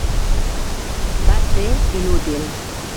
Va ser inútil.